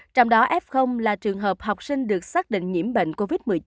trong đó f là trường hợp học sinh được xác định nhiễm bệnh covid một mươi chín